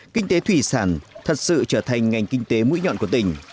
kinh tế thủy sản thật sự trở thành ngành kinh tế mũi nhọn của tỉnh